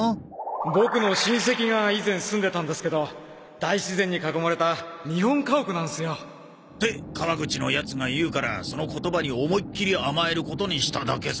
ボクの親戚が以前住んでたんですけど大自然に囲まれた日本家屋なんすよ。って川口のやつが言うからその言葉に思いっきり甘えることにしただけさ。